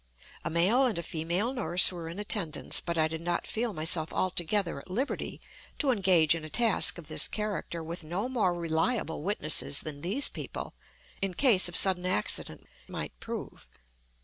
A male and a female nurse were in attendance; but I did not feel myself altogether at liberty to engage in a task of this character with no more reliable witnesses than these people, in case of sudden accident, might prove.